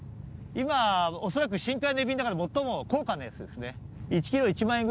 今、恐らく深海のエビの中で最も高価なやつですね。